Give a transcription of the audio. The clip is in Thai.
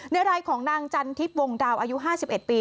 ในรายของนางจันทิพย์วงดาวอายุ๕๑ปี